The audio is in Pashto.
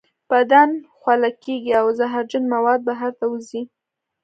بدن خوله کیږي او زهرجن مواد بهر ته وځي.